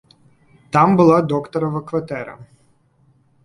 Там была доктарава кватэра.